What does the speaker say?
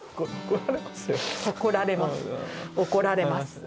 怒られますよ。